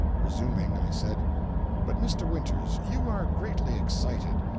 Resuming, I said, "But, Mr. Winters, you are greatly excited.